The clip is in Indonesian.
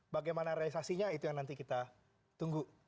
bagaimana realisasinya itu yang nanti kita tunggu